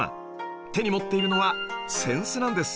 手に持っているのは扇子なんです